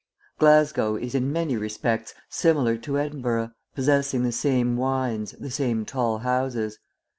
Glasgow is in many respects similar to Edinburgh, possessing the same wynds, the same tall houses.